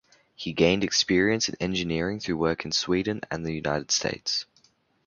He gained experience in engineering through work in Sweden and the United States.